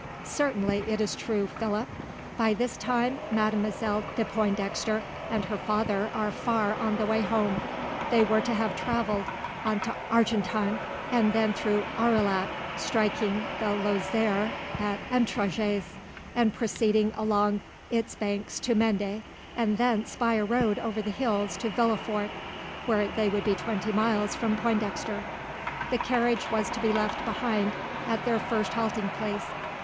"Certainly, it is true, Philip. By this time Mademoiselle de Pointdexter and her father are far on the way home. They were to have travelled on to Argentan, and then through Aurillac, striking the Lozere at Entraigues and proceeding along its banks to Mende, and thence by a road over the hills to Villefort, where they would be twenty miles from Pointdexter. The carriage was to be left behind at their first halting place.